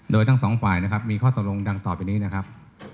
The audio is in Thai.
โดยทั้งสองฝ่ายนะครับมีข้อตกลงดังต่อไปนี้นะครับ